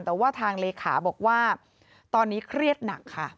แต่ว่าทางเลขาบอกว่าตอนนี้เครียดหนักค่ะ